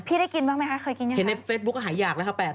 พี่ได้กินบ้างไหมคะเคยกินอย่างไรคะเห็นในเฟสบุ๊คอาหยากแล้วค่ะ๘๐๐บาท